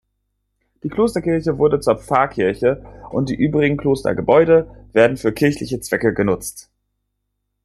Die Klosterkirche wurde zur Pfarrkirche und die übrigen Klostergebäude werden für kirchliche Zwecke genutzt.